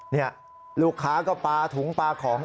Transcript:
นี่ลูกค้าก็ปลาถุงปลาของ